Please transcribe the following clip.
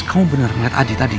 kamu bener ngeliat adi tadi